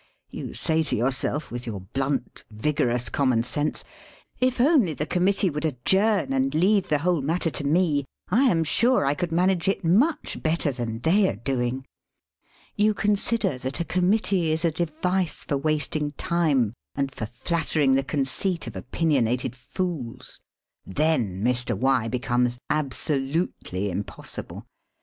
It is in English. You say to yourself, with your blunt, vigorous common sense: "If only the Committee would adjourn and leave the whole matter to me, I am sure I could manage it much better than they are doing." You consider that a Committee is a device for wasting time and for flattering the 34 SELF AND SELF MANAGEMENT | conceit of opinionated foola. ... Then Mr.' becomes abaolutelj impoasibte.